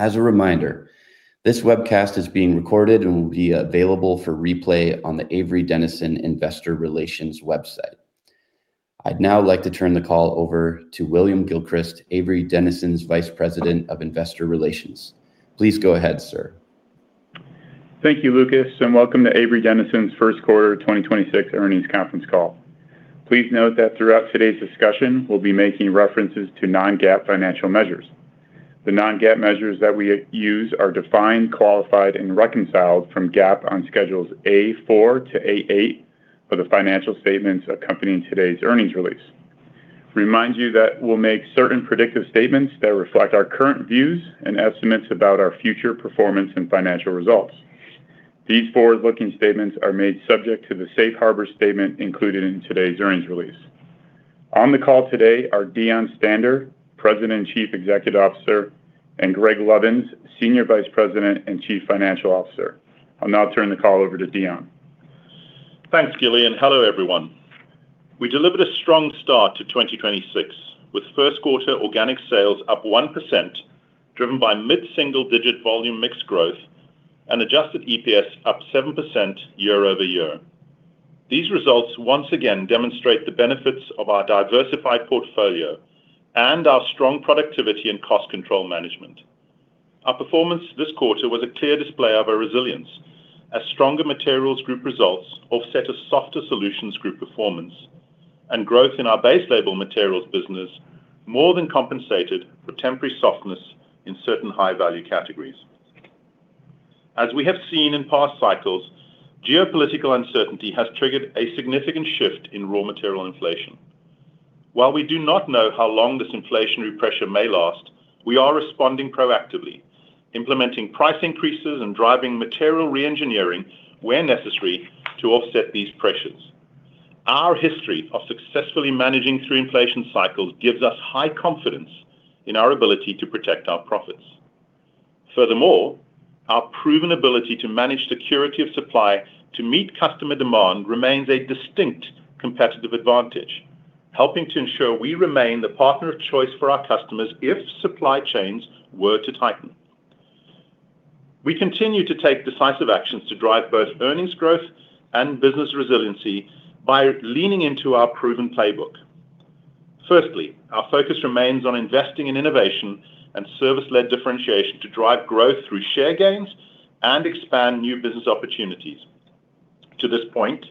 As a reminder, this webcast is being recorded and will be available for replay on the Avery Dennison investor relations website. I'd now like to turn the call over to William Gilchrist, Avery Dennison's Vice President of Investor Relations. Please go ahead, sir. Thank you, Lucas, and welcome to Avery Dennison's first quarter 2026 earnings conference call. Please note that throughout today's discussion, we'll be making references to non-GAAP financial measures. The non-GAAP measures that we use are defined, qualified, and reconciled from GAAP on Schedules A-4 to A-8 for the financial statements accompanying today's earnings release. We remind you that we'll make certain predictive statements that reflect our current views and estimates about our future performance and financial results. These forward-looking statements are made subject to the safe harbor statement included in today's earnings release. On the call today are Deon Stander, President and Chief Executive Officer, and Greg Lovins, Senior Vice President and Chief Financial Officer. I'll now turn the call over to Deon. Thanks, Gilly. Hello, everyone. We delivered a strong start to 2026, with first quarter organic sales up 1%, driven by mid single-digit volume mix growth and adjusted EPS up 7% year-over-year. These results once again demonstrate the benefits of our diversified portfolio and our strong productivity and cost control management. Our performance this quarter was a clear display of our resilience as stronger materials group results offset a softer solutions group performance, and growth in our base label materials business more than compensated for temporary softness in certain high-value categories. As we have seen in past cycles, geopolitical uncertainty has triggered a significant shift in raw material inflation. While we do not know how long this inflationary pressure may last, we are responding proactively, implementing price increases and driving material reengineering where necessary to offset these pressures. Our history of successfully managing through inflation cycles gives us high confidence in our ability to protect our profits. Furthermore, our proven ability to manage security of supply to meet customer demand remains a distinct competitive advantage, helping to ensure we remain the partner of choice for our customers if supply chains were to tighten. We continue to take decisive actions to drive both earnings growth and business resiliency by leaning into our proven playbook. Firstly, our focus remains on investing in innovation and service-led differentiation to drive growth through share gains and expand new business opportunities. To this point,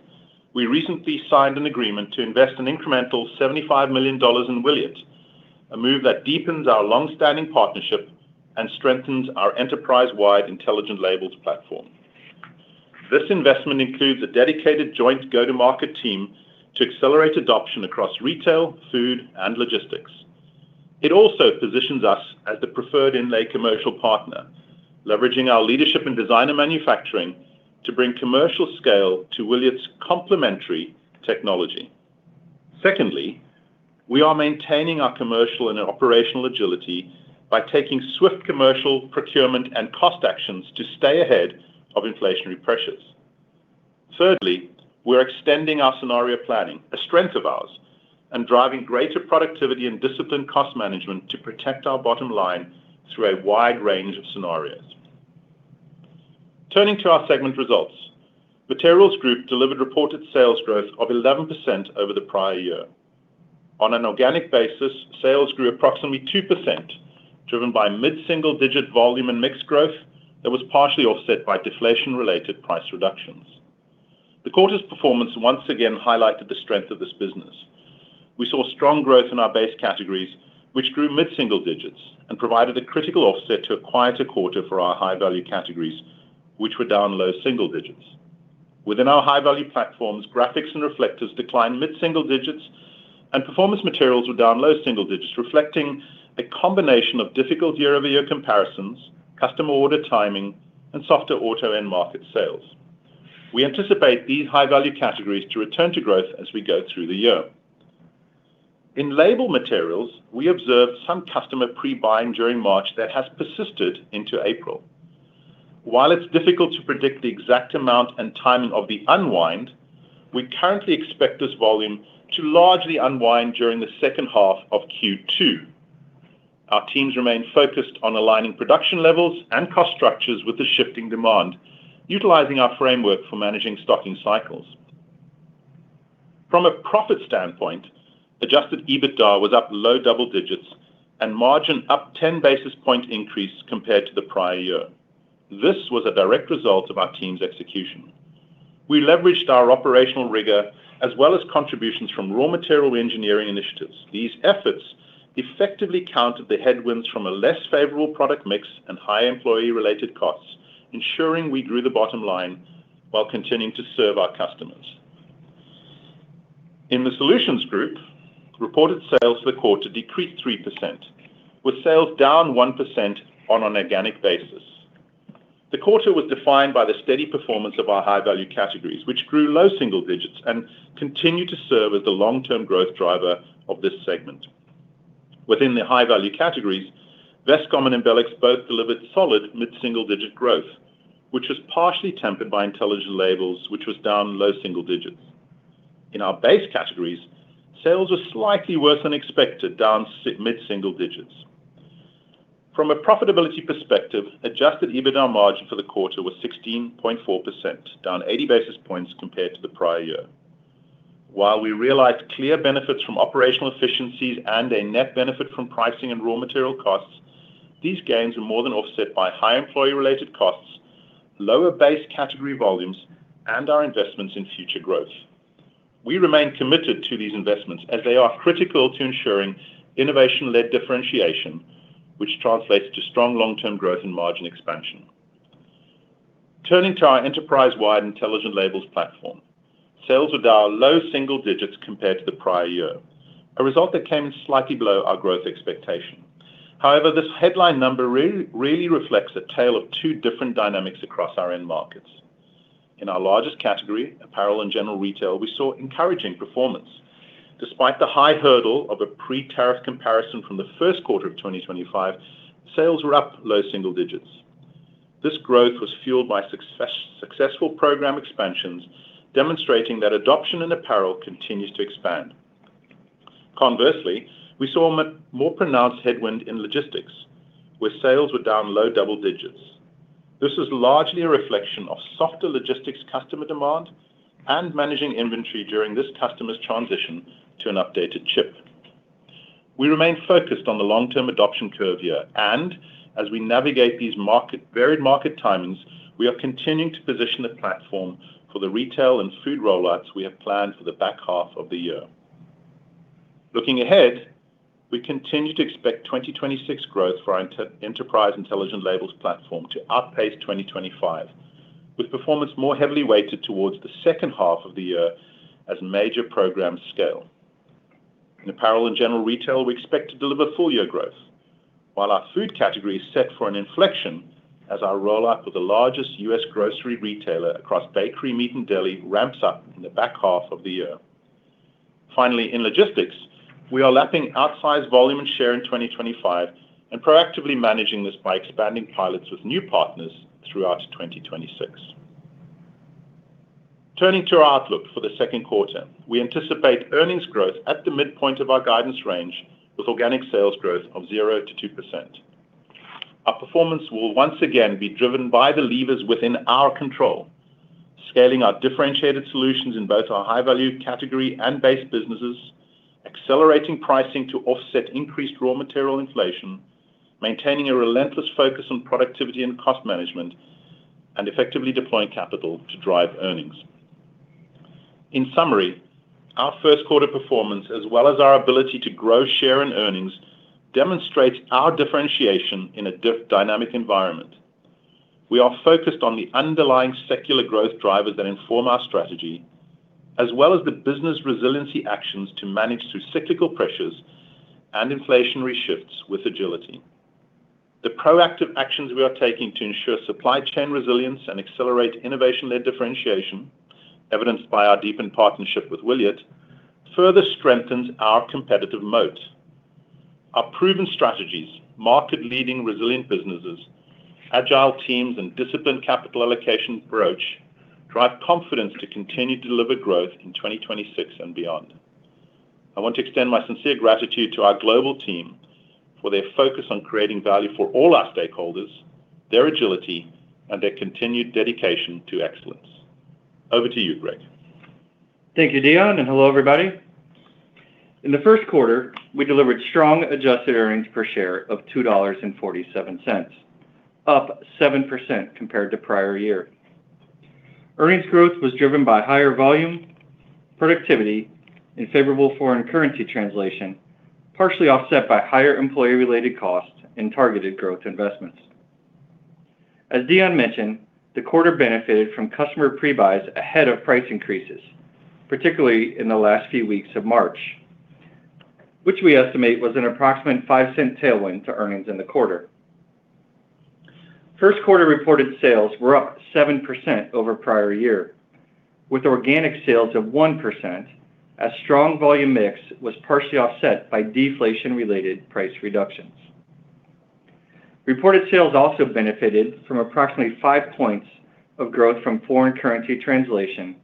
we recently signed an agreement to invest an incremental $75 million in Wiliot, a move that deepens our long-standing partnership and strengthens our enterprise-wide intelligent labels platform. This investment includes a dedicated joint go-to-market team to accelerate adoption across retail, food, and logistics. It also positions us as the preferred inlay commercial partner, leveraging our leadership in design and manufacturing to bring commercial scale to Wiliot's complementary technology. Secondly, we are maintaining our commercial and operational agility by taking swift commercial procurement and cost actions to stay ahead of inflationary pressures. Thirdly, we're extending our scenario planning, a strength of ours, and driving greater productivity and disciplined cost management to protect our bottom line through a wide range of scenarios. Turning to our segment results, materials group delivered reported sales growth of 11% over the prior year. On an organic basis, sales grew approximately 2%, driven by mid single-digit volume and mix growth that was partially offset by deflation-related price reductions. The quarter's performance once again highlighted the strength of this business. We saw strong growth in our base categories, which grew mid single-digits and provided a critical offset to a quieter quarter for our high-value categories, which were down low single-digits. Within our high-value platforms, graphics and reflectives declined mid single-digits, and performance materials were down low single digits, reflecting a combination of difficult year-over-year comparisons, customer order timing, and softer auto end market sales. We anticipate these high-value categories to return to growth as we go through the year. In label materials, we observed some customer pre-buying during March that has persisted into April. While it's difficult to predict the exact amount and timing of the unwind, we currently expect this volume to largely unwind during the second half of Q2. Our teams remain focused on aligning production levels and cost structures with the shifting demand, utilizing our framework for managing stocking cycles. From a profit standpoint, adjusted EBITDA was up low double-digits and margin up 10 basis point increase compared to the prior year. This was a direct result of our team's execution. We leveraged our operational rigor as well as contributions from raw material engineering initiatives. These efforts effectively countered the headwinds from a less favorable product mix and high employee-related costs, ensuring we grew the bottom line while continuing to serve our customers. In the solutions group, reported sales for the quarter decreased 3%, with sales down 1% on an organic basis. The quarter was defined by the steady performance of our high-value categories, which grew low single-digits and continue to serve as the long-term growth driver of this segment. Within the high-value categories, Vestcom and Embelex both delivered solid mid single-digit growth, which was partially tempered by intelligent labels, which was down low single-digits. In our base categories, sales were slightly worse than expected, down mid single-digits. From a profitability perspective, adjusted EBITDA margin for the quarter was 16.4%, down 80 basis points compared to the prior year. While we realized clear benefits from operational efficiencies and a net benefit from pricing and raw material costs, these gains were more than offset by high employee related costs, lower base category volumes, and our investments in future growth. We remain committed to these investments as they are critical to ensuring innovation-led differentiation, which translates to strong long-term growth and margin expansion. Turning to our enterprise-wide intelligent labels platform. Sales were down low single-digits compared to the prior year, a result that came in slightly below our growth expectation. However, this headline number really reflects a tale of two different dynamics across our end markets. In our largest category, apparel and general retail, we saw encouraging performance. Despite the high hurdle of a pre-tariff comparison from the first quarter of 2025, sales were up low single-digits. This growth was fueled by successful program expansions, demonstrating that adoption in apparel continues to expand. Conversely, we saw a more pronounced headwind in logistics, where sales were down low double-digits. This is largely a reflection of softer logistics customer demand and managing inventory during this customer's transition to an updated chip. We remain focused on the long-term adoption curve here, and as we navigate these varied market timings, we are continuing to position the platform for the retail and food rollouts we have planned for the back half of the year. Looking ahead, we continue to expect 2026 growth for our enterprise intelligent labels platform to outpace 2025, with performance more heavily weighted towards the second half of the year as major programs scale. In apparel and general retail, we expect to deliver full-year growth, while our food category is set for an inflection as our rollout with the largest U.S. grocery retailer across bakery, meat, and deli ramps up in the back half of the year. Finally, in logistics, we are lapping outsized volume and share in 2025 and proactively managing this by expanding pilots with new partners throughout 2026. Turning to our outlook for the second quarter. We anticipate earnings growth at the midpoint of our guidance range with organic sales growth of 0%-2%. Our performance will once again be driven by the levers within our control, scaling our differentiated solutions in both our high-value category and base businesses, accelerating pricing to offset increased raw material inflation, maintaining a relentless focus on productivity and cost management, and effectively deploying capital to drive earnings. In summary, our first quarter performance, as well as our ability to grow share and earnings, demonstrates our differentiation in a dynamic environment. We are focused on the underlying secular growth drivers that inform our strategy, as well as the business resiliency actions to manage through cyclical pressures and inflationary shifts with agility. The proactive actions we are taking to ensure supply chain resilience and accelerate innovation-led differentiation, evidenced by our deepened partnership with Wiliot, further strengthens our competitive moat. Our proven strategies, market-leading resilient businesses, agile teams, and disciplined capital allocation approach drive confidence to continue to deliver growth in 2026 and beyond. I want to extend my sincere gratitude to our global team for their focus on creating value for all our stakeholders, their agility, and their continued dedication to excellence. Over to you, Greg. Thank you, Deon, and hello, everybody. In the first quarter, we delivered strong adjusted earnings per share of $2.47, up 7% compared to prior year. Earnings growth was driven by higher volume, productivity, and favorable foreign currency translation, partially offset by higher employee-related costs and targeted growth investments. As Deon mentioned, the quarter benefited from customer pre-buys ahead of price increases, particularly in the last few weeks of March, which we estimate was an approximate $0.05 tailwind to earnings in the quarter. First quarter reported sales were up 7% over prior year, with organic sales of 1% as strong volume mix was partially offset by deflation-related price reductions. Reported sales also benefited from approximately five points of growth from foreign currency translation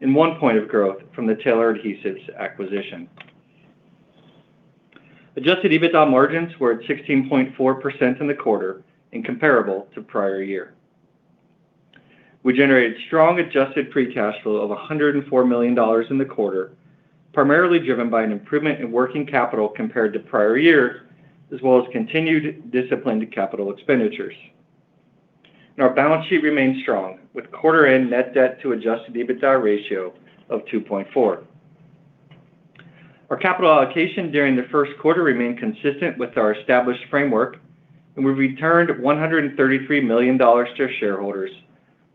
and one point of growth from the Taylor Adhesives acquisition. Adjusted EBITDA margins were at 16.4% in the quarter and comparable to prior year. We generated strong adjusted free cash flow of $104 million in the quarter, primarily driven by an improvement in working capital compared to prior years, as well as continued disciplined capital expenditures. Our balance sheet remains strong, with quarter-end net debt to adjusted EBITDA ratio of 2.4. Our capital allocation during the first quarter remained consistent with our established framework, we returned $133 million to shareholders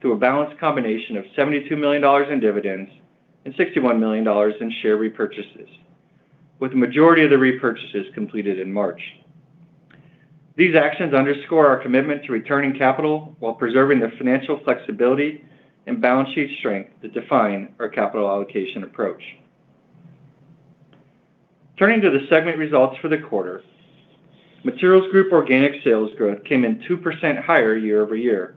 through a balanced combination of $72 million in dividends and $61 million in share repurchases, with the majority of the repurchases completed in March. These actions underscore our commitment to returning capital while preserving the financial flexibility and balance sheet strength that define our capital allocation approach. Turning to the segment results for the quarter, materials group organic sales growth came in 2% higher year-over-year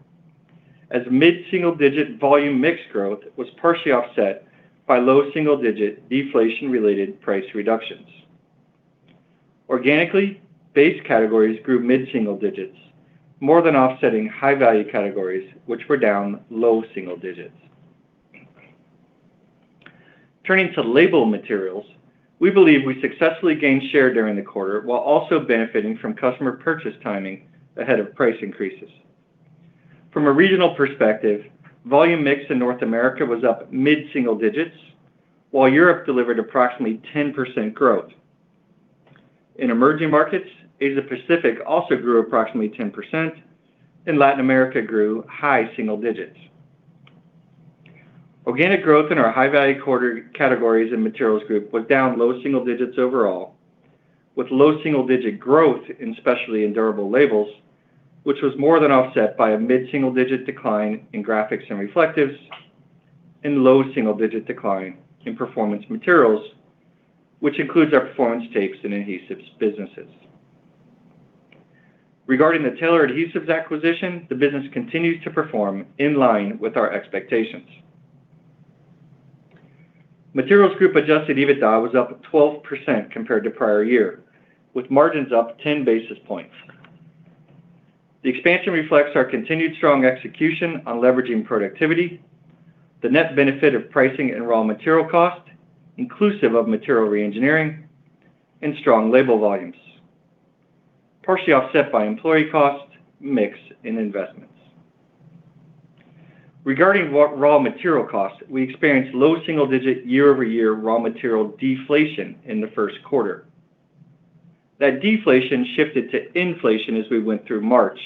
as mid single-digit volume mix growth was partially offset by low single-digit deflation related price reductions. Organically, base categories grew mid single-digits, more than offsetting high value categories, which were down low single-digits. Turning to label materials, we believe we successfully gained share during the quarter while also benefiting from customer purchase timing ahead of price increases. From a regional perspective, volume mix in North America was up mid single-digits, while Europe delivered approximately 10% growth. In emerging markets, Asia Pacific also grew approximately 10%, and Latin America grew high single-digits. Organic growth in our high value categories in materials group was down low single-digits overall, with low single-digit growth, especially in durable labels, which was more than offset by a mid single-digit decline in graphics and reflectives, and low single-digit decline in performance materials, which includes our performance tapes and adhesives businesses. Regarding the Taylor Adhesives acquisition, the business continues to perform in line with our expectations. Materials group adjusted EBITDA was up 12% compared to prior year, with margins up 10 basis points. The expansion reflects our continued strong execution on leveraging productivity, the net benefit of pricing and raw material cost, inclusive of material re-engineering and strong label volumes, partially offset by employee costs, mix and investments. Regarding raw material costs, we experienced low single-digit year-over-year raw material deflation in the first quarter. That deflation shifted to inflation as we went through March,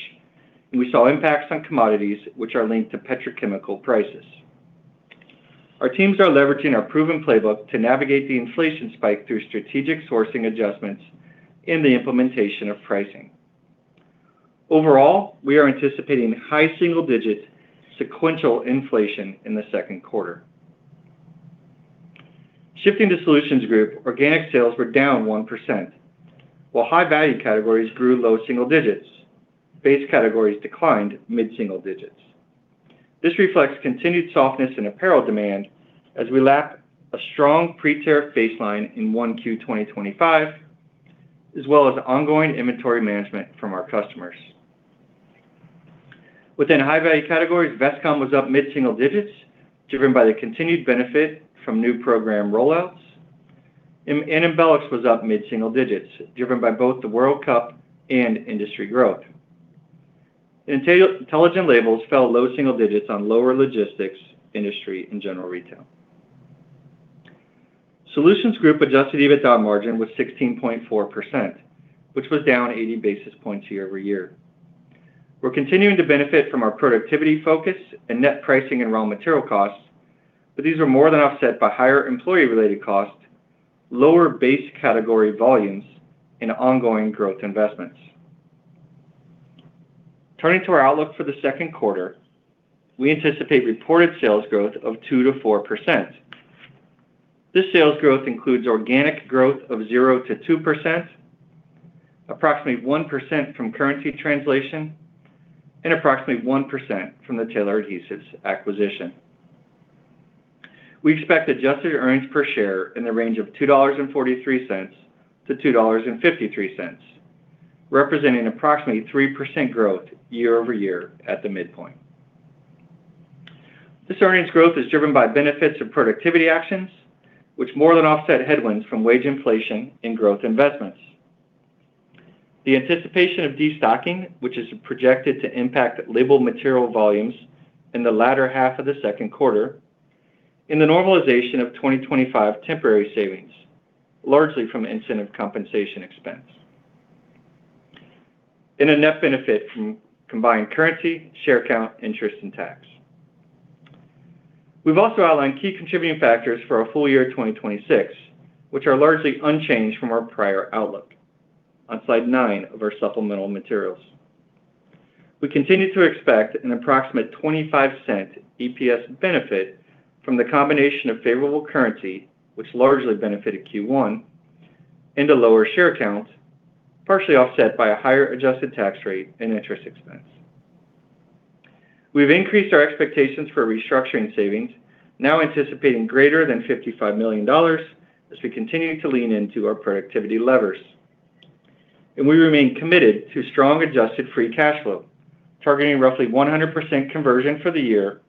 and we saw impacts on commodities which are linked to petrochemical prices. Our teams are leveraging our proven playbook to navigate the inflation spike through strategic sourcing adjustments in the implementation of pricing. Overall, we are anticipating high single-digit sequential inflation in the second quarter. Shifting to solutions group, organic sales were down 1%. While high value categories grew low single-digits, base categories declined mid single-digits. This reflects continued softness in apparel demand as we lap a strong pre-tariff baseline in 1Q 2025, as well as ongoing inventory management from our customers. Within high value categories, Vestcom was up mid single-digits, driven by the continued benefit from new program rollouts. Embelex was up mid single-digits, driven by both the World Cup and industry growth. Intelligent labels fell low single-digits on lower logistics industry and general retail. Solutions group adjusted EBITDA margin was 16.4%, which was down 80 basis points year-over-year. We're continuing to benefit from our productivity focus and net pricing in raw material costs, but these are more than offset by higher employee-related costs, lower base category volumes and ongoing growth investments. Turning to our outlook for the second quarter, we anticipate reported sales growth of 2%-4%. This sales growth includes organic growth of 0%-2%, approximately 1% from currency translation, and approximately 1% from the Taylor Adhesives acquisition. We expect adjusted earnings per share in the range of $2.43-$2.53, representing approximately 3% growth year-over-year at the midpoint. This earnings growth is driven by benefits of productivity actions, which more than offset headwinds from wage inflation and growth investments. The anticipation of destocking, which is projected to impact label material volumes in the latter half of the second quarter, in the normalization of 2025 temporary savings, largely from incentive compensation expense, in a net benefit from combined currency, share count, interest and tax. We've also outlined key contributing factors for our full year 2026, which are largely unchanged from our prior outlook on slide nine of our supplemental materials. We continue to expect an approximate $0.25 EPS benefit from the combination of favorable currency, which largely benefited Q1, into lower share count, partially offset by a higher adjusted tax rate and interest expense. We've increased our expectations for restructuring savings, now anticipating greater than $55 million as we continue to lean into our productivity levers. We remain committed to strong adjusted free cash flow, targeting roughly 100% conversion for the year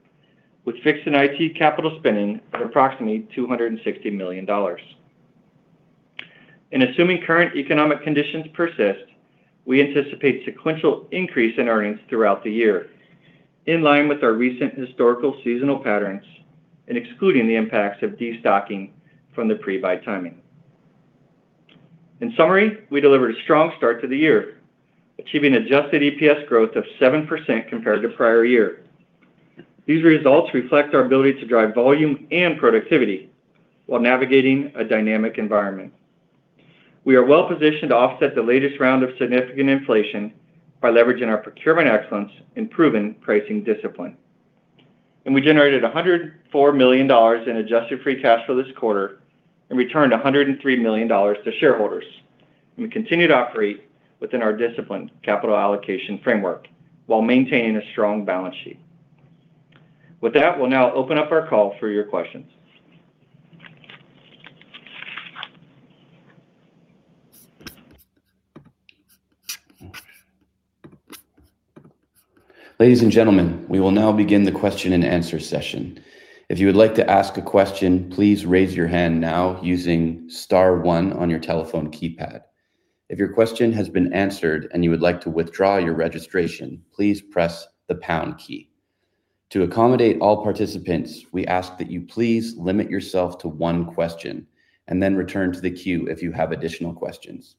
with fixed and IT capital spending at approximately $260 million. Assuming current economic conditions persist, we anticipate sequential increase in earnings throughout the year in line with our recent historical seasonal patterns and excluding the impacts of destocking from the pre-buy timing. In summary, we delivered a strong start to the year, achieving adjusted EPS growth of 7% compared to prior year. These results reflect our ability to drive volume and productivity while navigating a dynamic environment. We are well positioned to offset the latest round of significant inflation by leveraging our procurement excellence and proven pricing discipline. We generated $104 million in adjusted free cash flow this quarter and returned $103 million to shareholders. We continue to operate within our disciplined capital allocation framework while maintaining a strong balance sheet. With that, we'll now open up our call for your questions. Ladies and gentlemen, we will now begin the question and answer session. If you would like to ask a question, please raise your hand now using star one on your telephone keypad. If your question has been answered and you would like to withdraw your registration, please press the pound key. To accommodate all participants, we ask that you please limit yourself to one question and then return to the queue if you have additional questions.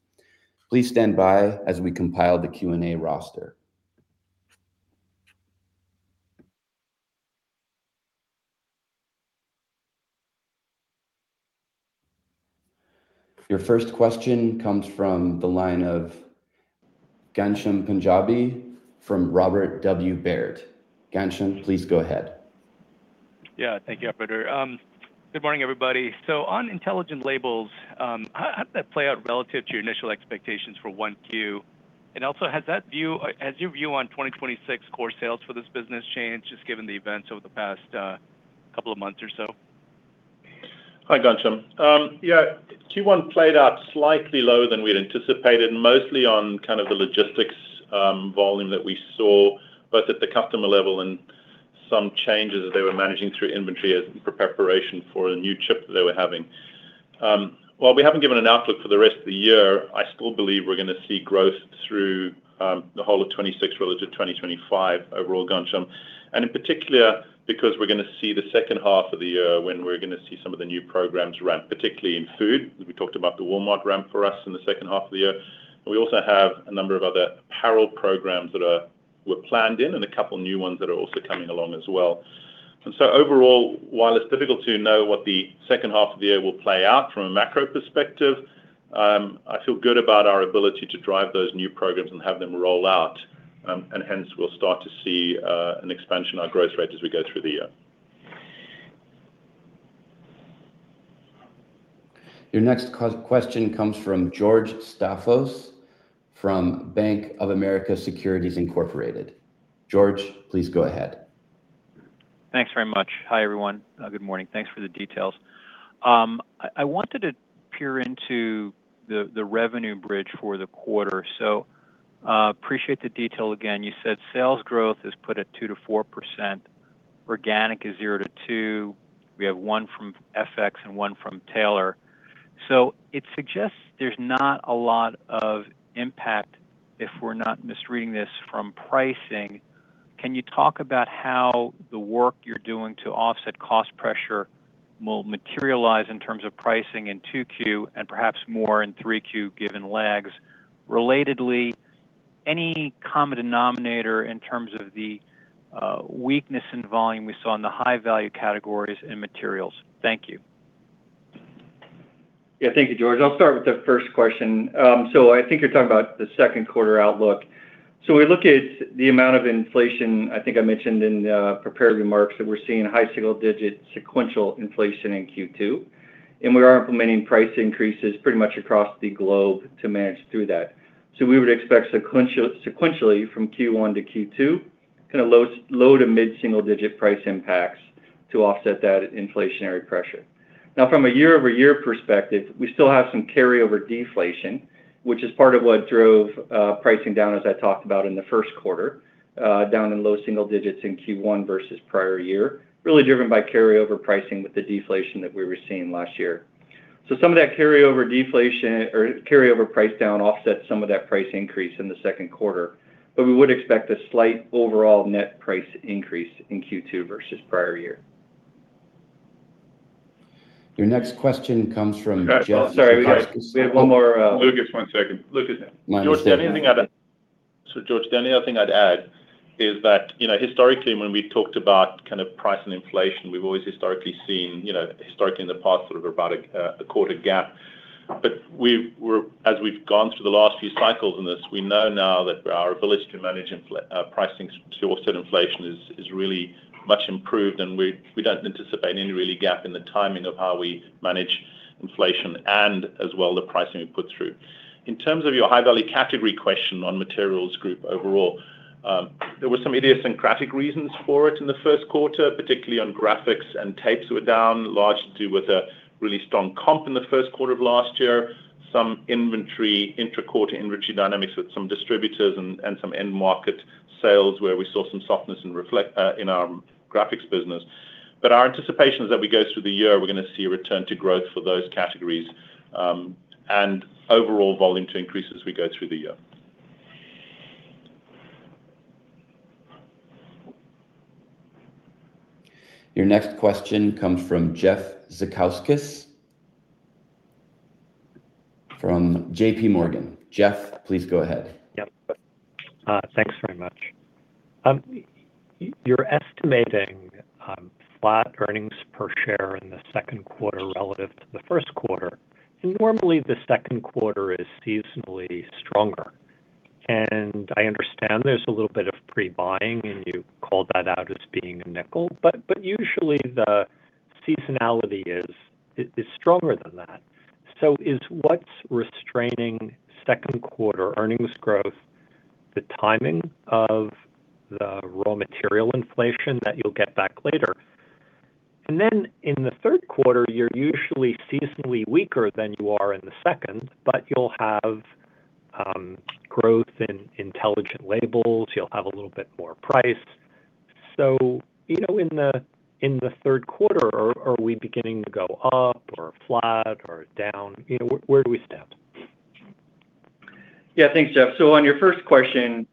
Please stand by as we compile the Q&A roster. Your first question comes from the line of Ghansham Panjabi from Robert W. Baird. Ghansham, please go ahead. Yeah, thank you, operator. Good morning, everybody. On intelligent labels, how did that play out relative to your initial expectations for 1Q? Also, has that view, has your view on 2026 core sales for this business changed just given the events over the past couple of months or so? Hi, Ghansham. Yeah, Q1 played out slightly lower than we'd anticipated, mostly on kind of the logistics volume that we saw, both at the customer level and some changes that they were managing through inventory as in preparation for the new chip that they were having. While we haven't given an outlook for the rest of the year, I still believe we're gonna see growth through the whole of 2026 relative to 2025 overall, Ghansham. In particular, because we're gonna see the second half of the year when we're gonna see some of the new programs ramp, particularly in food. We talked about the Walmart ramp for us in the second half of the year. We also have a number of other apparel programs that are, were planned in, and a couple new ones that are also coming along as well. Overall, while it's difficult to know what the second half of the year will play out from a macro perspective, I feel good about our ability to drive those new programs and have them roll out, and hence we'll start to see an expansion on growth rate as we go through the year. Your next question comes from George Staphos from Bank of America Securities Incorporated. George, please go ahead. Thanks very much. Hi, everyone. Good morning. Thanks for the details. I wanted to peer into the revenue bridge for the quarter. Appreciate the detail again. You said sales growth is put at 2%-4%. Organic is 0%-2%. We have 1% from FX and 1% from Taylor. It suggests there's not a lot of impact if we're not misreading this from pricing. Can you talk about how the work you're doing to offset cost pressure will materialize in terms of pricing in 2Q and perhaps more in 3Q given lags? Relatedly, any common denominator in terms of the weakness in volume we saw in the high value categories and materials? Thank you. Thank you, George. I'll start with the first question. I think you're talking about the second quarter outlook. We look at the amount of inflation, I think I mentioned in the prepared remarks, that we're seeing high single-digit sequential inflation in Q2, and we are implementing price increases pretty much across the globe to manage through that. We would expect sequentially from Q1 to Q2, kind of low to mid single-digit price impacts to offset that inflationary pressure. From a year-over-year perspective, we still have some carryover deflation, which is part of what drove pricing down as I talked about in the first quarter, down in low single-digits in Q1 versus prior year, really driven by carryover pricing with the deflation that we were seeing last year. Some of that carryover deflation or carryover price down offset some of that price increase in the second quarter, but we would expect a slight overall net price increase in Q2 versus prior year. Your next question comes from Jeff Zekauskas. Sorry, we have one more. Lucas, one second. Lucas. My mistake. George, the only other thing I'd add is that, you know, historically, when we talked about kind of price and inflation, we've always historically seen, you know, historically in the past sort of about a quarter gap. As we've gone through the last few cycles in this, we know now that our ability to manage pricing to offset inflation is really much improved. We don't anticipate any really gap in the timing of how we manage inflation and as well the pricing we put through. In terms of your high value category question on materials group overall, there were some idiosyncratic reasons for it in the first quarter, particularly on graphics and tapes were down largely to do with a really strong comp in the first quarter of last year. Some inventory, intra-quarter inventory dynamics with some distributors and some end market sales where we saw some softness in our graphics business. Our anticipation is that we go through the year, we're gonna see a return to growth for those categories, and overall volume to increase as we go through the year. Your next question comes from Jeff Zekauskas from JPMorgan. Jeff, please go ahead. Yep. Thanks very much. You're estimating flat earnings per share in the second quarter relative to the first quarter, normally the second quarter is seasonally stronger. I understand there's a little bit of pre-buying, and you called that out as being $0.05, but usually the seasonality is stronger than that. Is what's restraining second quarter earnings growth the timing of the raw material inflation that you'll get back later? Then in the third quarter, you're usually seasonally weaker than you are in the second, but you'll have growth in intelligent labels, you'll have a little bit more price. You know, in the third quarter, are we beginning to go up or flat or down? You know, where do we stand? Thanks, Jeff. On your first question,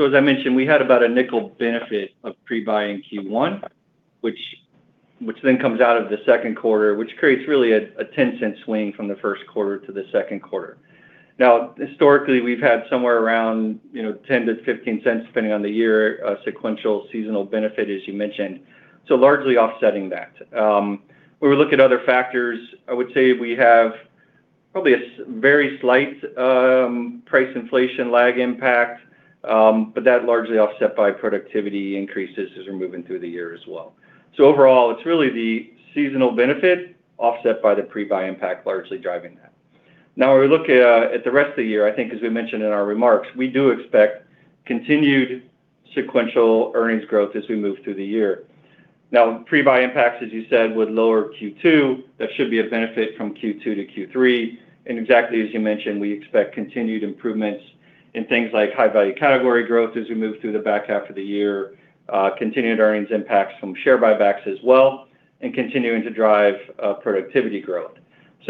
as I mentioned, we had about a $0.05 benefit of pre-buying Q1, which then comes out of the second quarter, which creates really a $0.10 swing from the first quarter to the second quarter. Historically, we've had somewhere around, you know, $0.10-$0.15, depending on the year, sequential seasonal benefit as you mentioned, largely offsetting that. When we look at other factors, I would say we have probably a very slight price inflation lag impact, that largely offset by productivity increases as we're moving through the year as well. Overall, it's really the seasonal benefit offset by the pre-buy impact largely driving that. When we look at the rest of the year, I think as we mentioned in our remarks, we do expect continued sequential earnings growth as we move through the year. Pre-buy impacts, as you said, would lower Q2. That should be a benefit from Q2 to Q3. Exactly as you mentioned, we expect continued improvements in things like high value category growth as we move through the back half of the year, continued earnings impacts from share buybacks as well, and continuing to drive productivity growth.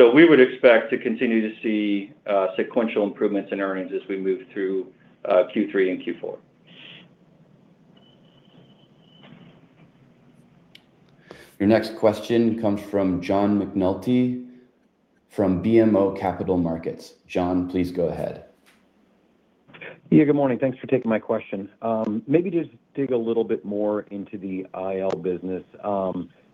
We would expect to continue to see sequential improvements in earnings as we move through Q3 and Q4. Your next question comes from John McNulty from BMO Capital Markets. John, please go ahead. Yeah, good morning. Thanks for taking my question. Maybe just dig a little bit more into the IL business.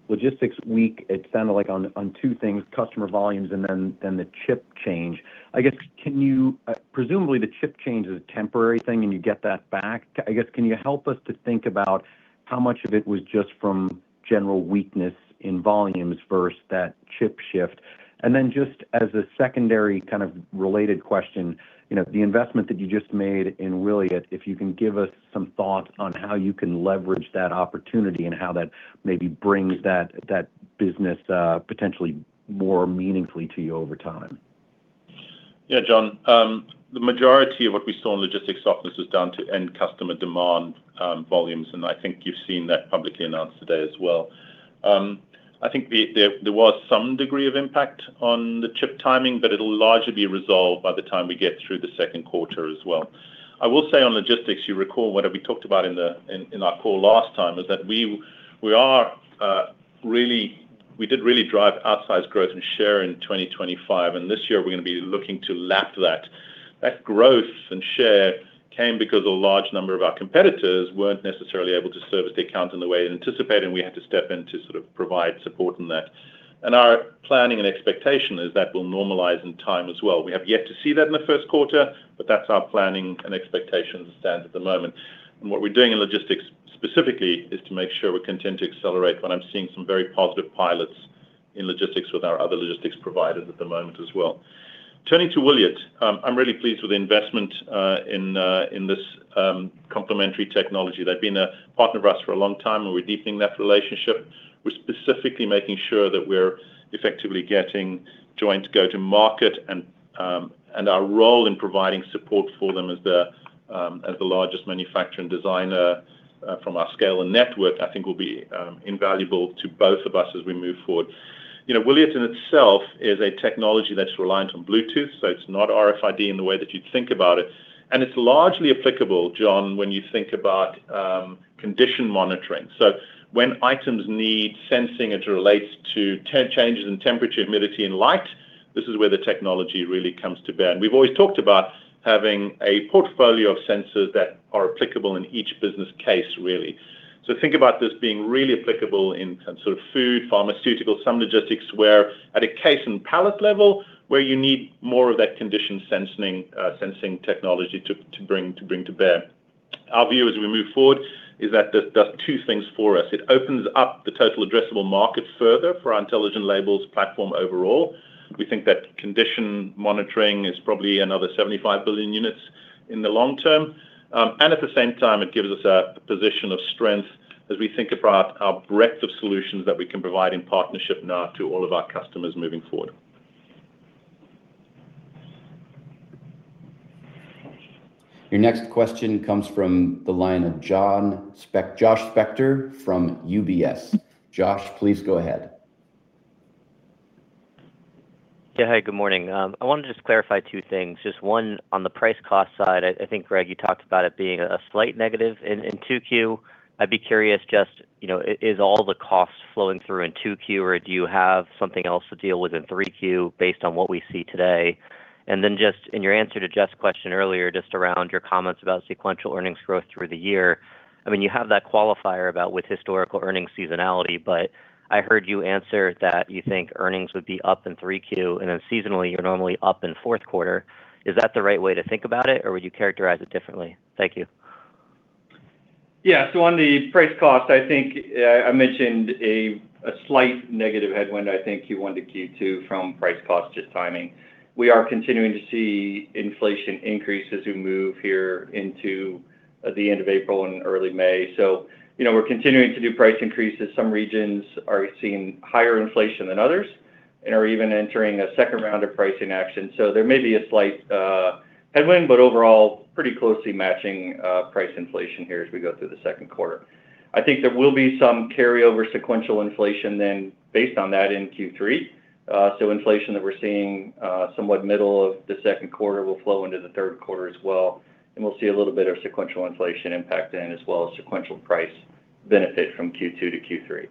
Logistics week, it sounded like on two things, customer volumes and then the chip change. I guess, presumably the chip change is a temporary thing and you get that back. I guess, can you help us to think about how much of it was just from general weakness in volumes first, that chip shift? Just as a secondary kind of related question, you know, the investment that you just made in Wiliot, if you can give us some thoughts on how you can leverage that opportunity and how that maybe brings that business potentially more meaningfully to you over time. Yeah, John. The majority of what we saw in logistics softness was down to end customer demand, volumes, and I think you've seen that publicly announced today as well. I think there was some degree of impact on the chip timing, but it'll largely be resolved by the time we get through the second quarter as well. I will say on logistics, you recall, what have we talked about in our call last time, is that we did really drive outsized growth and share in 2025, and this year we're gonna be looking to lap that. That growth and share came because a large number of our competitors weren't necessarily able to service the account in the way they anticipated, and we had to step in to sort of provide support in that. Our planning and expectation is that will normalize in time as well. We have yet to see that in the first quarter, but that's our planning and expectation as it stands at the moment. What we're doing in logistics specifically is to make sure we're content to accelerate when I'm seeing some very positive pilots in logistics with our other logistics providers at the moment as well. Turning to Wiliot, I'm really pleased with the investment in this complementary technology. They've been a partner of ours for a long time, and we're deepening that relationship. We're specifically making sure that we're effectively getting joint go-to market and our role in providing support for them as the largest manufacturer and designer from our scale and network, I think will be invaluable to both of us as we move forward. You know, Wiliot in itself is a technology that's reliant on Bluetooth, so it's not RFID in the way that you'd think about it, and it's largely applicable, John, when you think about condition monitoring. When items need sensing as it relates to changes in temperature, humidity, and light, this is where the technology really comes to bear. We've always talked about having a portfolio of sensors that are applicable in each business case, really. Think about this being really applicable in some sort of food, pharmaceutical, some logistics where at a case and pallet level, where you need more of that condition sensing technology to bring to bear. Our view as we move forward is that it does two things for us. It opens up the total addressable market further for our intelligent labels platform overall. We think that condition monitoring is probably another 75 billion units in the long term. At the same time, it gives us a position of strength as we think about our breadth of solutions that we can provide in partnership now to all of our customers moving forward. Your next question comes from the line of Josh Spector from UBS. Josh, please go ahead. Hi, good morning. I want to just clarify two things. Just one on the price cost side. I think, Greg, you talked about it being a slight negative in 2Q. I'd be curious just, you know, is all the costs flowing through in 2Q or do you have something else to deal with in 3Q based on what we see today? Just in your answer to Jeff's question earlier, just around your comments about sequential earnings growth through the year. I mean, you have that qualifier about with historical earnings seasonality, but I heard you answer that you think earnings would be up in 3Q and then seasonally you're normally up in fourth quarter. Is that the right way to think about it or would you characterize it differently? Thank you. On the price cost, I mentioned a slight negative headwind I think you wanted to key to from price cost, just timing. We are continuing to see inflation increase as we move here into the end of April and early May. You know, we're continuing to do price increases. Some regions are seeing higher inflation than others and are even entering a second round of pricing action. There may be a slight headwind, but overall pretty closely matching price inflation here as we go through the second quarter. I think there will be some carryover sequential inflation then based on that in Q3. Inflation that we're seeing, somewhat middle of the second quarter will flow into the third quarter as well. We'll see a little bit of sequential inflation impact then, as well as sequential price benefit from Q2 to Q3.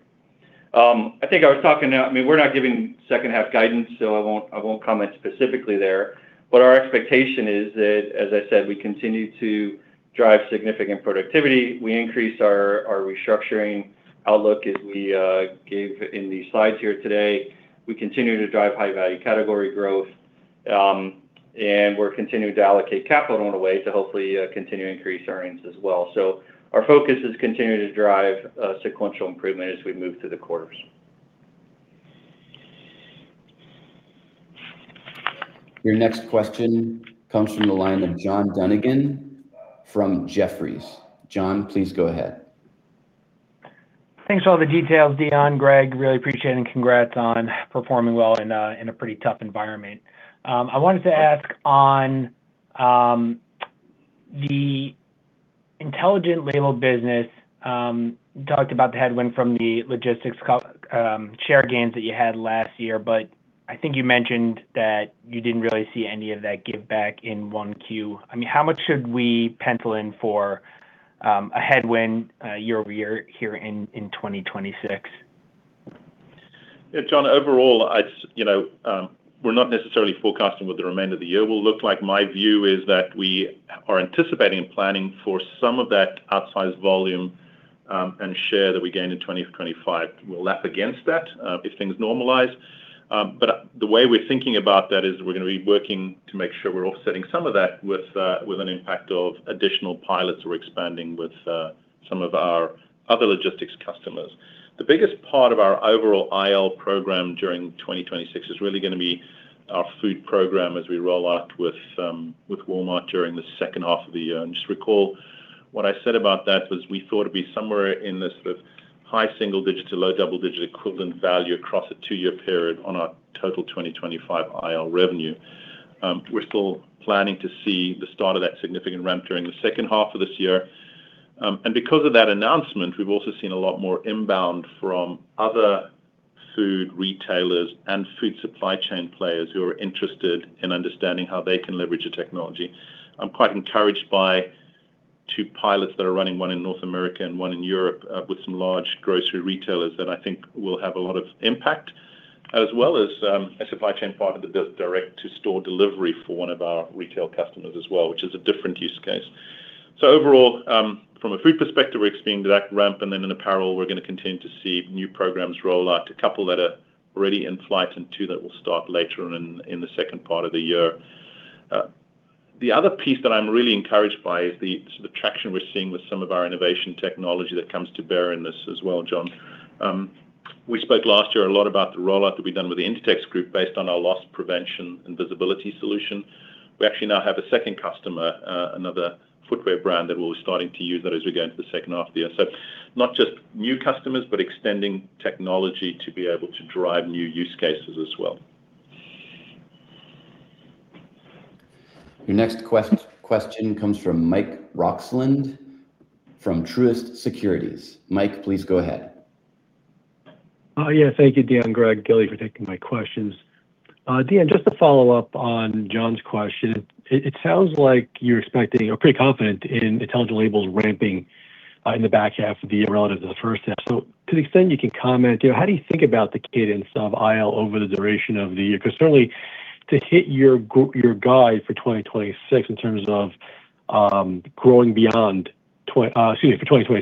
I think I was talking, I mean, we're not giving second half guidance. I won't, I won't comment specifically there. Our expectation is that, as I said, we continue to drive significant productivity. We increase our restructuring outlook as we gave in the slides here today. We continue to drive high-value category growth. We're continuing to allocate capital in a way to hopefully continue to increase earnings as well. Our focus is continuing to drive sequential improvement as we move through the quarters. Your next question comes from the line of John Dunigan from Jefferies. John, please go ahead. Thanks for all the details, Deon, Greg, really appreciate it, and congrats on performing well in a pretty tough environment. I wanted to ask on the Intelligent Labels business, you talked about the headwind from the logistics share gains that you had last year, but I think you mentioned that you didn't really see any of that give back in 1Q. I mean, how much should we pencil in for a headwind year-over-year here in 2026? John, overall, you know, we're not necessarily forecasting what the remainder of the year will look like. My view is that we are anticipating and planning for some of that outsized volume, and share that we gained in 2025. We'll lap against that if things normalize. The way we're thinking about that is we're gonna be working to make sure we're offsetting some of that with an impact of additional pilots we're expanding with some of our other logistics customers. The biggest part of our overall IL program during 2026 is really gonna be our food program as we roll out with Walmart during the second half of the year. Just recall, what I said about that was we thought it'd be somewhere in the sort of high single-digit to low double-digit equivalent value across a two year period on our total 2025 IL revenue. We're still planning to see the start of that significant ramp during the second half of this year. Because of that announcement, we've also seen a lot more inbound from other food retailers and food supply chain players who are interested in understanding how they can leverage the technology. I'm quite encouraged by two pilots that are running, one in North America and one in Europe, with some large grocery retailers that I think will have a lot of impact, as well as a supply chain partner that does direct-to-store delivery for one of our retail customers as well, which is a different use case. Overall, from a food perspective, we're expecting that ramp, and then in apparel, we're going to continue to see new programs roll out, a couple that are already in flight and two that will start later on in the second part of the year. The other piece that I'm really encouraged by is the sort of traction we're seeing with some of our innovation technology that comes to bear in this as well, John. We spoke last year a lot about the rollout that we've done with the Inditex based on our loss prevention and visibility solution. We actually now have a second customer, another footwear brand that will be starting to use that as we go into the second half of the year. Not just new customers, but extending technology to be able to drive new use cases as well. Your next question comes from Mike Roxland from Truist Securities. Mike, please go ahead. Yeah. Thank you Deon, Greg, Gilly, for taking my questions. Deon, just to follow up on John's question, it sounds like you're expecting or pretty confident in intelligent labels ramping in the back half of the year relative to the first half. To the extent you can comment, you know, how do you think about the cadence of IL over the duration of the year? Certainly to hit your guide for 2026 in terms of growing beyond 2025,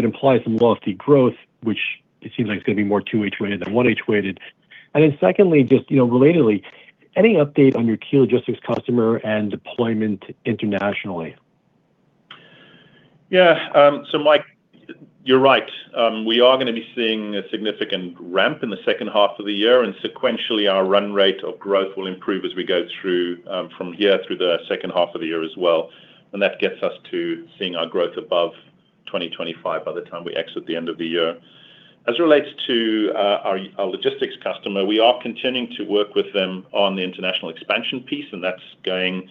it implies some lofty growth, which it seems like it's gonna be more 2H weighted than 1H weighted. Secondly, just, you know, relatedly, any update on your key logistics customer and deployment internationally? Yeah. Mike, you're right. We are gonna be seeing a significant ramp in the second half of the year, and sequentially, our run rate of growth will improve as we go through from here through the second half of the year as well. That gets us to seeing our growth above 2025 by the time we exit the end of the year. As it relates to our logistics customer, we are continuing to work with them on the international expansion piece, and that's going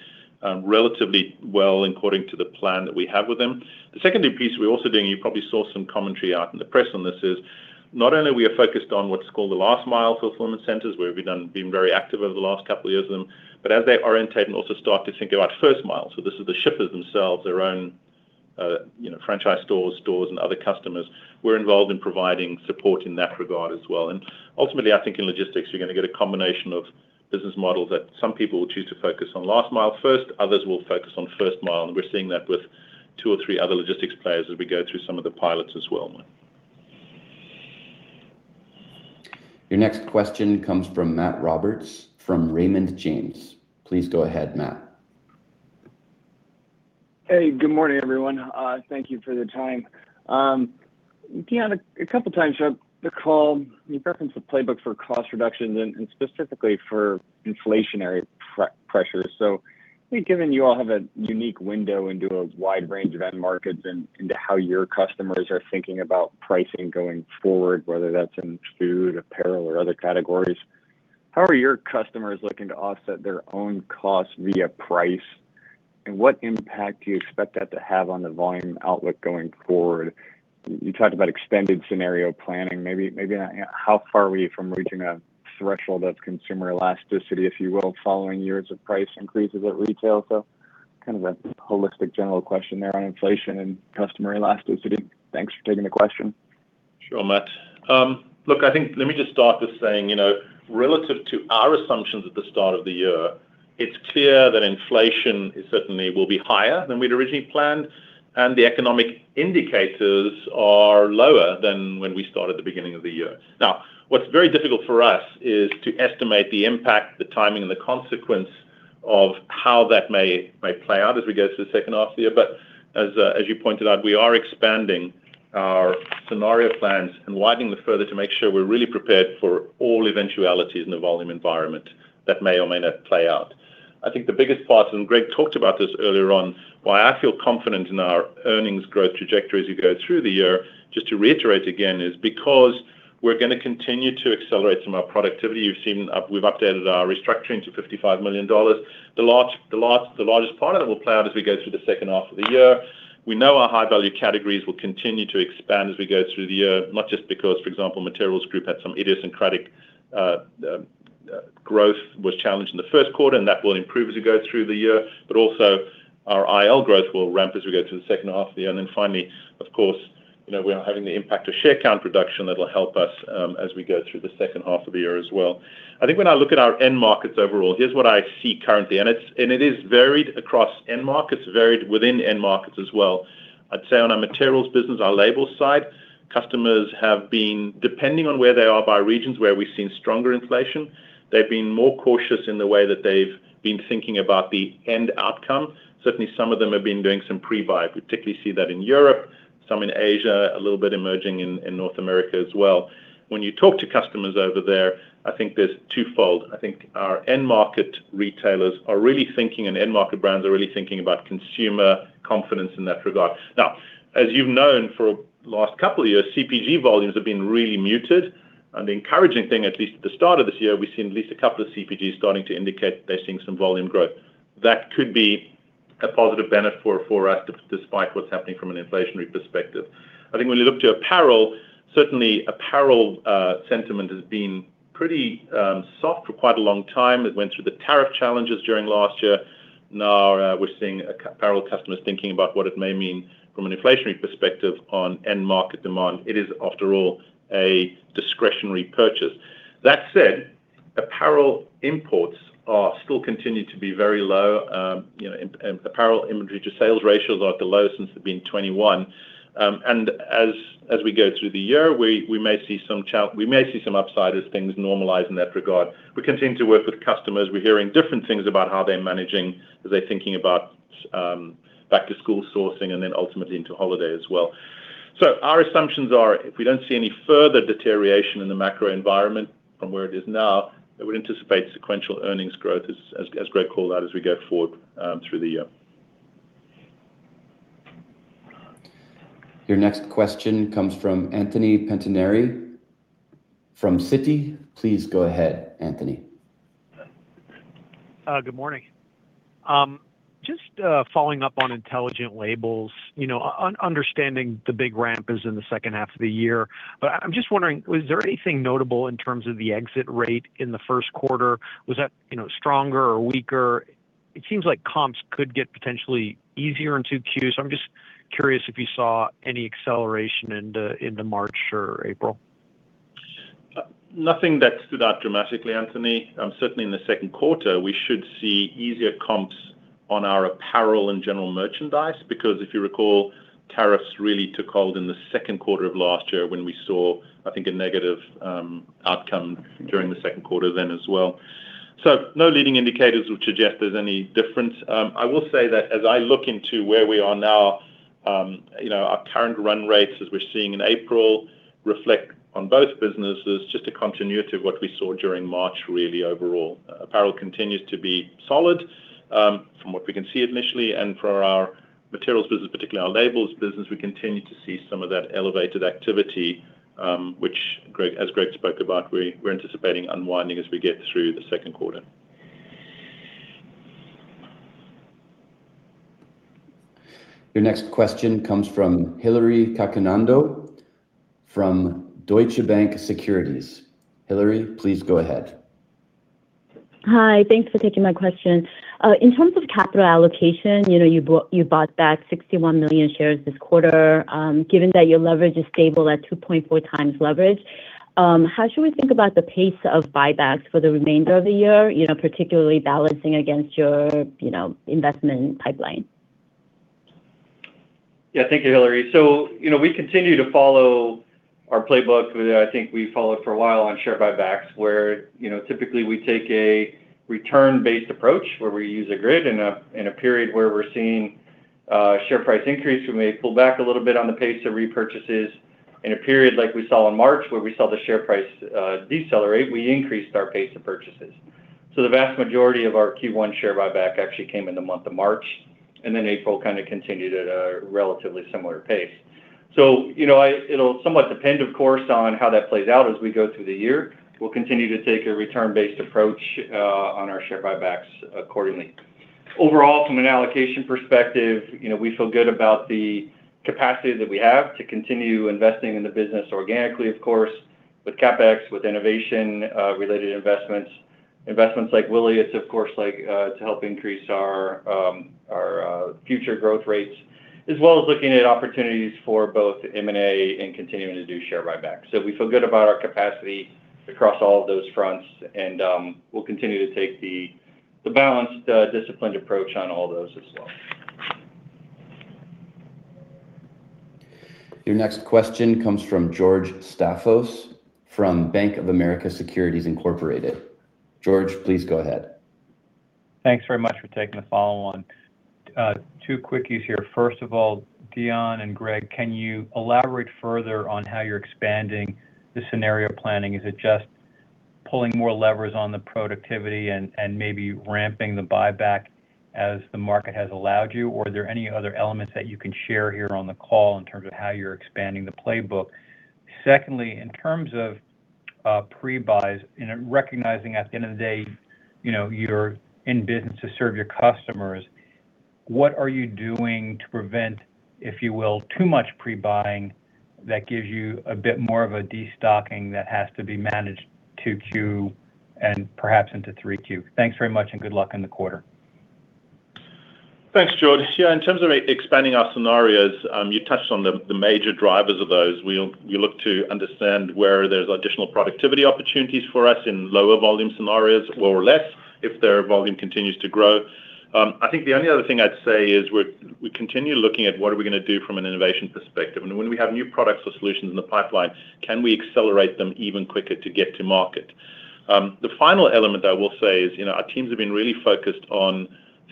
relatively well according to the plan that we have with them. The secondary piece we're also doing, you probably saw some commentary out in the press on this, is not only are we focused on what's called the last mile fulfillment centers, where we've been very active over the last couple of years, but as they orientate and also start to think about first mile. This is the shippers themselves, their own, you know, franchise stores and other customers. We're involved in providing support in that regard as well. Ultimately, I think in logistics, you're gonna get a combination of business models that some people will choose to focus on last mile first, others will focus on first mile. We're seeing that with two or three other logistics players as we go through some of the pilots as well, Mike. Your next question comes from Matt Roberts from Raymond James. Please go ahead, Matt. Hey, good morning, everyone. Thank you for the time. Deon, a couple times you have, you referenced the playbook for cost reductions and specifically for inflationary pre-pressures. I think given you all have a unique window into a wide range of end markets and into how your customers are thinking about pricing going forward, whether that's in food, apparel or other categories, how are your customers looking to offset their own costs via price? What impact do you expect that to have on the volume outlook going forward? You talked about extended scenario planning. Maybe how far are we from reaching a threshold of consumer elasticity, if you will, following years of price increases at retail? Kind of a holistic general question there on inflation and customer elasticity. Thanks for taking the question. Sure, Matt. Look, I think let me just start this saying, you know, relative to our assumptions at the start of the year, it's clear that inflation certainly will be higher than we'd originally planned, and the economic indicators are lower than when we started at the beginning of the year. What's very difficult for us is to estimate the impact, the timing and the consequence of how that may play out as we go through the second half of the year. As you pointed out, we are expanding our scenario plans and widening them further to make sure we're really prepared for all eventualities in the volume environment that may or may not play out. I think the biggest part, and Greg talked about this earlier on, why I feel confident in our earnings growth trajectory as we go through the year, just to reiterate again, is because we're gonna continue to accelerate some of our productivity. You've seen we've updated our restructuring to $55 million. The largest part of it will play out as we go through the second half of the year. We know our high-value categories will continue to expand as we go through the year, not just because, for example, materials group had some idiosyncratic growth was challenged in the first quarter, and that will improve as we go through the year. Also our IL growth will ramp as we go through the second half of the year. Finally, of course, you know, we are having the impact of share count reduction that'll help us as we go through the second half of the year as well. I think when I look at our end markets overall, here's what I see currently, and it is varied across end markets, varied within end markets as well. I'd say on our materials group, our labels side, customers have been, depending on where they are by regions where we've seen stronger inflation, they've been more cautious in the way that they've been thinking about the end outcome. Certainly, some of them have been doing some pre-buy. We particularly see that in Europe, some in Asia, a little bit emerging in North America as well. When you talk to customers over there, I think there's twofold. I think our end market retailers are really thinking and end market brands are really thinking about consumer confidence in that regard. Now, as you've known for last couple of years, CPG volumes have been really muted, and the encouraging thing, at least at the start of this year, we've seen at least a couple of CPGs starting to indicate they're seeing some volume growth. That could be a positive benefit for us despite what's happening from an inflationary perspective. I think when you look to apparel, certainly apparel sentiment has been pretty soft for quite a long time. It went through the tariff challenges during last year. Now we're seeing apparel customers thinking about what it may mean from an inflationary perspective on end market demand. It is, after all, a discretionary purchase. That said, apparel imports are still continue to be very low. you know, apparel inventory to sales ratios are at the lowest since they've been 21. As we go through the year, we may see some upside as things normalize in that regard. We continue to work with customers. We're hearing different things about how they're managing as they're thinking about back to school sourcing and then ultimately into holiday as well. Our assumptions are if we don't see any further deterioration in the macro environment from where it is now, I would anticipate sequential earnings growth as Greg called out as we go forward through the year. Your next question comes from Anthony Pettinari from Citi. Please go ahead, Anthony. Good morning. Just following up on intelligent labels. You know, understanding the big ramp is in the second half of the year, I'm just wondering, was there anything notable in terms of the exit rate in the first quarter? Was that, you know, stronger or weaker? It seems like comps could get potentially easier in 2 Qs. I'm just curious if you saw any acceleration into March or April. Nothing that stood out dramatically, Anthony. Certainly in the second quarter, we should see easier comps on our apparel and general merchandise, because if you recall, tariffs really took hold in the second quarter of last year when we saw, I think, a negative outcome during the second quarter then as well. No leading indicators which suggest there's any difference. I will say that as I look into where we are now, you know, our current run rates, as we're seeing in April, reflect on both businesses, just a continuity of what we saw during March, really overall. Apparel continues to be solid, from what we can see initially. For our materials business, particularly our labels business, we continue to see some of that elevated activity, which Greg, as Greg spoke about, we're anticipating unwinding as we get through the second quarter. Your next question comes from Hillary Cacanando from Deutsche Bank Securities. Hillary, please go ahead. Hi. Thanks for taking my question. In terms of capital allocation, you know, you bought back 61 million shares this quarter. Given that your leverage is stable at 2.4x leverage, how should we think about the pace of buybacks for the remainder of the year, you know, particularly balancing against your, you know, investment pipeline? Yeah. Thank you, Hillary. You know, we continue to follow our playbook with I think we followed for a while on share buybacks, where, you know, typically we take a return-based approach, where we use a grid. In a, in a period where we're seeing share price increase, we may pull back a little bit on the pace of repurchases. In a period like we saw in March, where we saw the share price decelerate, we increased our pace of purchases. The vast majority of our Q1 share buyback actually came in the month of March, and then April kind of continued at a relatively similar pace. You know, it'll somewhat depend, of course, on how that plays out as we go through the year. We'll continue to take a return-based approach on our share buybacks accordingly. Overall, from an allocation perspective, you know, we feel good about the capacity that we have to continue investing in the business organically, of course, with CapEx, with innovation, related investments. Investments like Wiliot, it's of course like, to help increase our future growth rates, as well as looking at opportunities for both M&A and continuing to do share buybacks. We feel good about our capacity across all of those fronts and we'll continue to take the balanced, disciplined approach on all those as well. Your next question comes from George Staphos from Bank of America Securities Incorporated. George, please go ahead. Thanks very much for taking the follow on. Two quickies here. First of all, Deon and Greg, can you elaborate further on how you're expanding the scenario planning? Is it just pulling more levers on the productivity and maybe ramping the buyback as the market has allowed you, or are there any other elements that you can share here on the call in terms of how you're expanding the playbook? Secondly, in terms of pre-buys, and recognizing at the end of the day, you know, you're in business to serve your customers, what are you doing to prevent, if you will, too much pre-buying that gives you a bit more of a destocking that has to be managed 2Q and perhaps into 3Q? Thanks very much, and good luck in the quarter. Thanks, George. Yeah, in terms of expanding our scenarios, you touched on the major drivers of those. We look to understand where there's additional productivity opportunities for us in lower volume scenarios, or less if their volume continues to grow. I think the only other thing I'd say is we continue looking at what are we gonna do from an innovation perspective, and when we have new products or solutions in the pipeline, can we accelerate them even quicker to get to market? The final element that I will say is, you know, our teams have been really focused on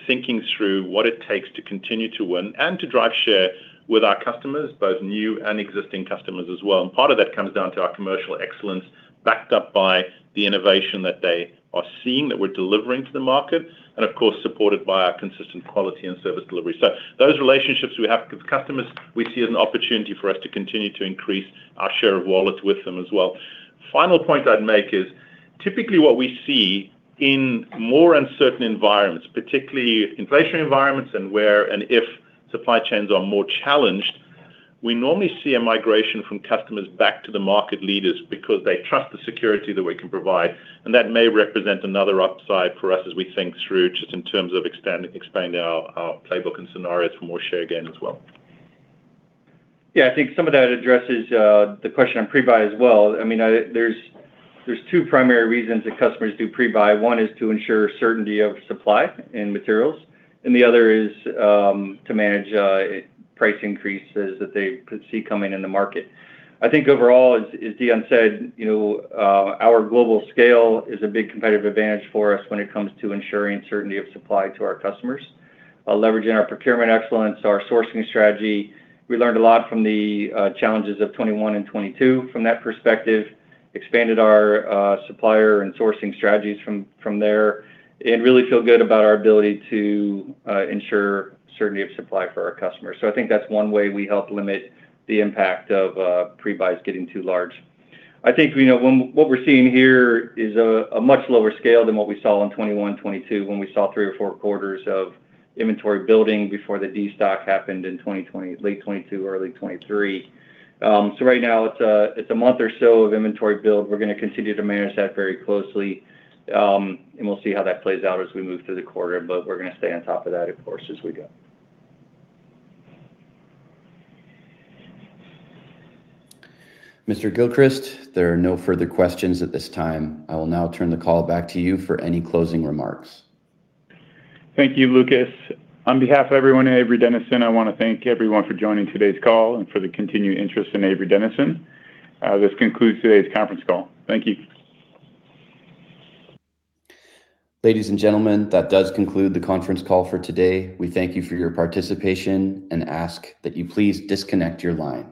thinking through what it takes to continue to win and to drive share with our customers, both new and existing customers as well. Part of that comes down to our commercial excellence, backed up by the innovation that they are seeing that we're delivering to the market and, of course, supported by our consistent quality and service delivery. Those relationships we have with customers, we see as an opportunity for us to continue to increase our share of wallet with them as well. Final point I'd make is, typically what we see in more uncertain environments, particularly inflation environments and where and if supply chains are more challenged, we normally see a migration from customers back to the market leaders because they trust the security that we can provide. That may represent another upside for us as we think through just in terms of expanding our playbook and scenarios for more share gain as well. I think some of that addresses the question on pre-buy as well. I mean, there's two primary reasons that customers do pre-buy. One is to ensure certainty of supply in materials, and the other is to manage price increases that they could see coming in the market. I think overall, as Deon said, you know, our global scale is a big competitive advantage for us when it comes to ensuring certainty of supply to our customers, leveraging our procurement excellence, our sourcing strategy. We learned a lot from the challenges of 2021 and 2022 from that perspective, expanded our supplier and sourcing strategies from there, and really feel good about our ability to ensure certainty of supply for our customers. I think that's one way we help limit the impact of pre-buys getting too large. I think, you know, what we're seeing here is a much lower scale than what we saw in 2021, 2022, when we saw three or four quarters of inventory building before the destock happened in 2020, late 2022, early 2023. Right now it's a month or so of inventory build. We're gonna continue to manage that very closely, and we'll see how that plays out as we move through the quarter. We're gonna stay on top of that, of course, as we go. Mr. Gilchrist, there are no further questions at this time. I will now turn the call back to you for any closing remarks. Thank you, Lucas. On behalf of everyone at Avery Dennison, I wanna thank everyone for joining today's call and for the continued interest in Avery Dennison. This concludes today's conference call. Thank you. Ladies and gentlemen, that does conclude the conference call for today. We thank you for your participation and ask that you please disconnect your lines.